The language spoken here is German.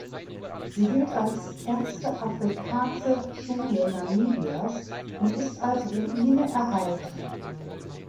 Sie gilt als erste afrikaanse Schule Namibias und ist als Ruine erhalten.